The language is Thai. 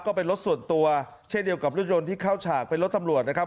ก็เป็นรถส่วนตัวเช่นเดียวกับรถยนต์ที่เข้าฉากเป็นรถตำรวจนะครับ